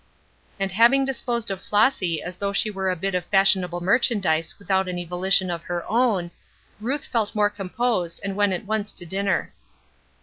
And having disposed of Flossy as though she were a bit of fashionable merchandise without any volition of her own, Ruth felt more composed and went at once to dinner.